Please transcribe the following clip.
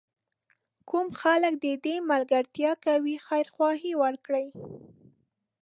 کوم خلک د ده ملګرتیا کوي خیرخواهي وکړي.